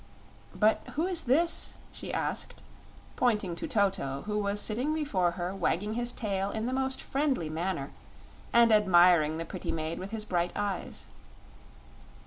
"But who is this?" she asked, pointing to Toto, who was sitting before her wagging his tail in the most friendly manner and admiring the pretty maid with his bright eyes.